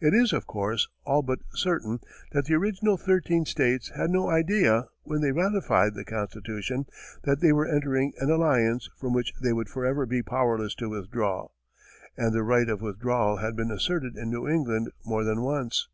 It is, of course, all but certain that the original thirteen states had no idea, when they ratified the Constitution, that they were entering an alliance from which they would forever be powerless to withdraw; and the right of withdrawal had been asserted in New England more than once.